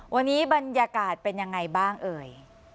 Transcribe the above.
วันนี้บรรยากาศเป็นยังไงบ้างเอ่ย